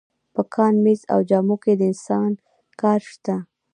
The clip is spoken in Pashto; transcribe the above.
په کان، مېز او جامو کې د انسان کار شته